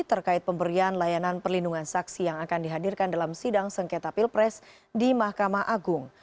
terkait pemberian layanan perlindungan saksi yang akan dihadirkan dalam sidang sengketa pilpres di mahkamah agung